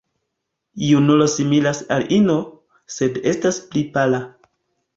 Junulo similas al ino, sed estas pli pala.